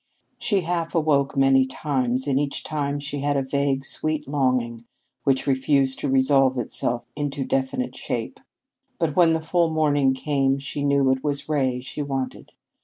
She half awoke many times, and each time she had a vague, sweet longing which refused to resolve itself into definite shape. But when the full morning came she knew it was Ray she wanted.